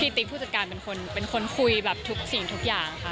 ติ๊กผู้จัดการเป็นคนคุยแบบทุกสิ่งทุกอย่างค่ะ